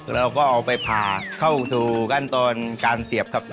เราก็เอาไปผ่าเข้าสู่ขั้นตอนการเสียบครับ